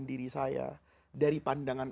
diri saya dari pandangan